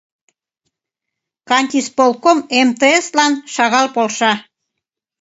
— Кантисполком МТС-лан шагал полша.